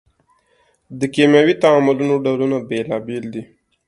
د کیمیاوي تعاملونو ډولونه بیلابیل دي.